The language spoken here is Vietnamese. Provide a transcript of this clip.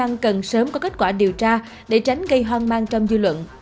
cơ quan chức năng cần sớm có kết quả điều tra để tránh gây hoang mang trong dư luận